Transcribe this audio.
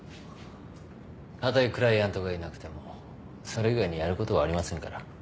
たとえクライアントがいなくてもそれ以外にやることはありませんから。